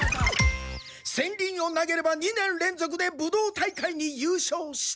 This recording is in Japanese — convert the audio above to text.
戦輪を投げれば２年連続で武道大会に優勝して。